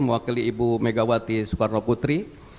mewakili ibu megawati soekarno putri